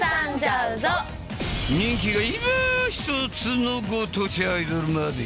人気がいまひとつのご当地アイドルまで。